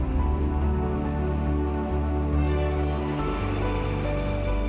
dan menurut aku kamu harus tahu